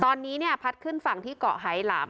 ตอนนี้เนี่ยพัดขึ้นฝั่งที่เกาะไฮหลาม